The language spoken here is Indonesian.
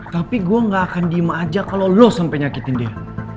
tapi gue gak akan diem aja kalo lo sampe nyakitin dia